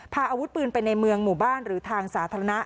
พาอาวุธปืนไปในเมืองหมู่บ้านหรือทางสาธารณะ